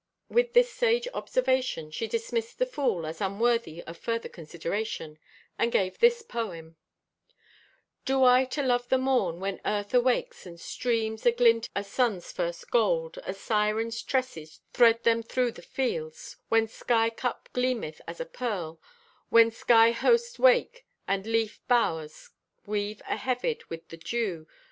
With this sage observation she dismissed the "fool" as unworthy of further consideration, and gave this poem: Do I to love the morn, When Earth awakes, and streams Aglint o' sun's first gold, As siren's tresses thred them through the fields; When sky cup gleameth as a pearl; When sky hosts wake, and leaf bowers Wave aheavied with the dew?